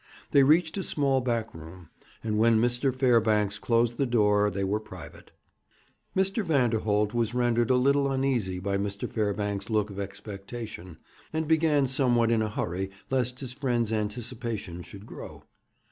They reached a small back room, and when Mr. Fairbanks closed the door they were private. Mr. Vanderholt was rendered a little uneasy by Mr. Fairbanks' look of expectation, and began somewhat in a hurry, lest his friend's anticipation should grow.